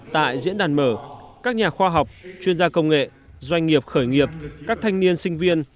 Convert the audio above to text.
tại diễn đàn mở các nhà khoa học chuyên gia công nghệ doanh nghiệp khởi nghiệp các thanh niên sinh viên